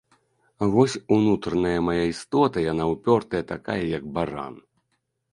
Вось унутраная мая істота яна ўпёртая такая, як баран.